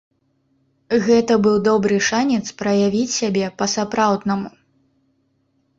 Гэта быў добры шанец праявіць сябе па-сапраўднаму.